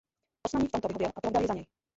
Osman jí v tomto vyhověl a provdal ji za něj.